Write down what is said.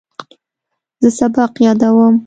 زه سبق یادوم.